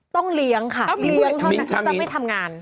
ต้องเลี้ยงค่ะจะไม่ทำงาน